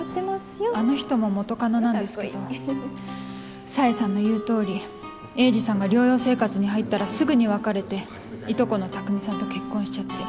あの人も元カノなんですけど紗英さんの言うとおり栄治さんが療養生活に入ったらすぐに別れていとこの拓未さんと結婚しちゃって。